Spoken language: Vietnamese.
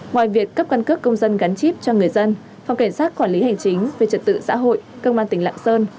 ngoài việc cấp căn cấp công dân gắn chip cho người dân phòng kiểm soát quản lý hành chính về trật tự xã hội công an tỉnh lạng sơn